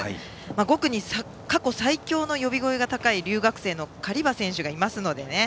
５区に過去最強の呼び声が高い留学生のカリバ選手がいますのでね。